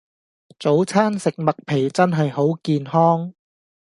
早餐食麥皮真係好健康